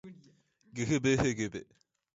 ｇｆｖｒｖ